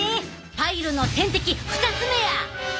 パイルの天敵２つ目や！